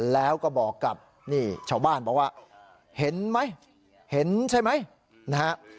แล้วก็บอกกับนี่ชาวบ้านบอกว่าเห็นไหมเห็นใช่ไหมนะฮะ